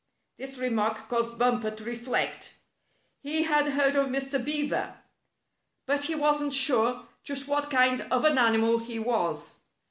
This remark caused Bumper to reflect. He had heard of Mr. Beaver, but he wasn't sure just what kind of an animal he was.